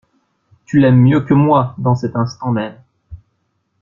Tu l'aimes mieux que moi, dans cet instant même!